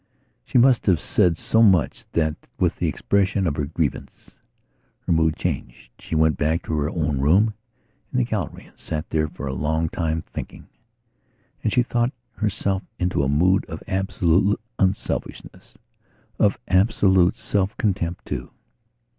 She must have said so much that, with the expression of her grievance, her mood changed. She went back to her own room in the gallery, and sat there for a long time thinking. And she thought herself into a mood of absolute unselfishness, of absolute self contempt, too.